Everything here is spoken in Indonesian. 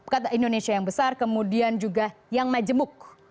kata indonesia yang besar kemudian juga yang majemuk